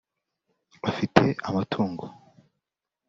afite amatungo